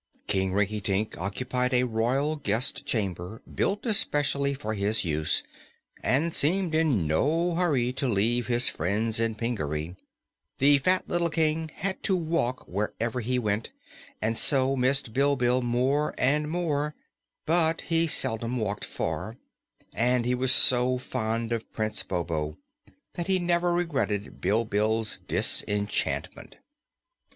King Rinkitink occupied a royal guest chamber built especially for his use and seemed in no hurry to leave his friends in Pingaree. The fat little King had to walk wherever he went and so missed Bilbil more and more; but he seldom walked far and he was so fond of Prince BoBo that he never regretted Bilbil's disenchantment.